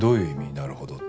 「なるほど」って。